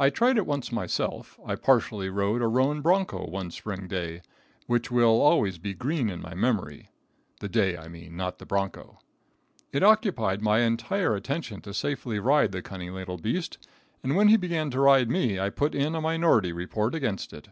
I tried it once myself. I partially rode a roan broncho one spring day, which will always be green in my memory. The day, I mean, not the broncho. It occupied my entire attention to safely ride the cunning little beast, and when he began to ride me I put in a minority report against it.